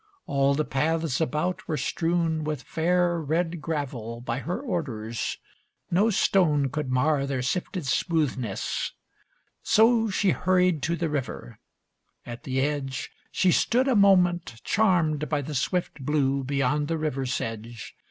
All the paths about Were strewn with fair, red gravel by her orders. No stone could mar their sifted smoothness. So She hurried to the river. At the edge She stood a moment charmed by the swift blue Beyond the river sedge.